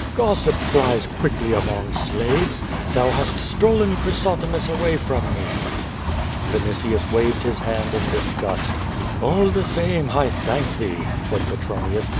"Gossip flies quickly among slaves. Thou hast stolen Chrysothemis away from me." Vinitius waved his hand in disgust. "All the same, I thank thee," said Petronius.